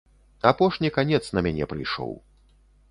Апошні канец на мяне прыйшоў.